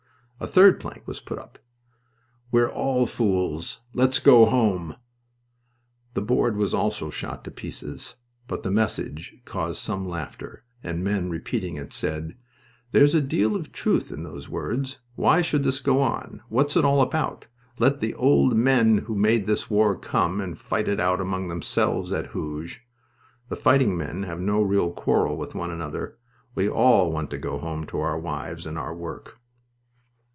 A third plank was put up: "We're all fools. Let's all go home." That board was also shot to pieces, but the message caused some laughter, and men repeating it said: "There's a deal of truth in those words. Why should this go on? What's it all about? Let the old men who made this war come and fight it out among themselves, at Hooge. The fighting men have no real quarrel with one another. We all want to go home to our wives and our work."